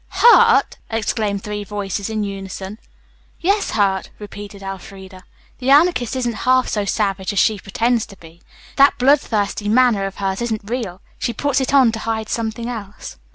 "Hurt!" exclaimed three voices in unison. "Yes, hurt," repeated Elfreda. "The Anarchist isn't half so savage as she pretends to be. That blood thirsty manner of hers isn't real. She puts it on to hide something else."